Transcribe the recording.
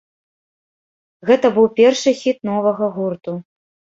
Гэта быў першы хіт новага гурту.